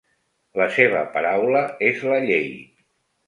La seva paraula és la llei.